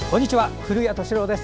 古谷敏郎です。